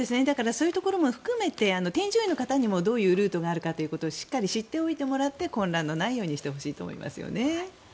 そういうところも含めて添乗員にもどういうルートがあるかということをしっかり知っておいてもらって混乱のないようにしてほしいと思いますよね。